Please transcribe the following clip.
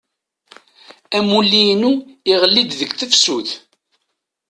Amulli-inu iɣelli-d deg tefsut.